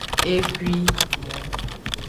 Egui.